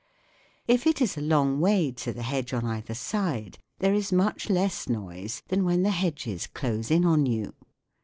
If it i> a long way to the hedge on either side, there is much less noise than when the hedges close in on you.